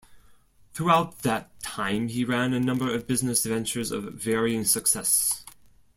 Throughout that time he ran a number of business ventures of varying success.